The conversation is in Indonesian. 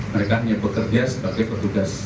mereka hanya bekerja sebagai petugas